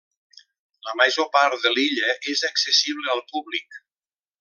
La major part de l'illa és accessible al públic.